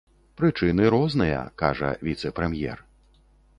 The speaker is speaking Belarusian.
Прычыны розныя, кажа віцэ-прэм'ер.